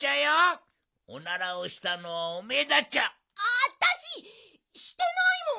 あたししてないもん！